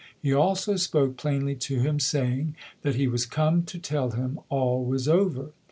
He also spoke plainly to him, saying that he was come to tell him all was over.